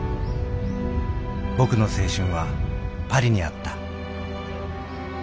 僕の青春はパリにあった。